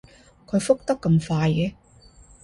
佢覆得咁快嘅